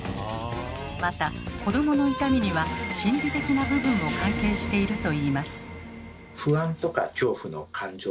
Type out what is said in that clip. また子どもの痛みには心理的な部分も関係しているといいます。